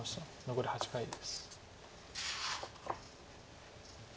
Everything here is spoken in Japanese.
残り８回です。